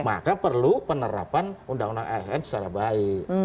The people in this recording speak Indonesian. maka perlu penerapan undang undang asn secara baik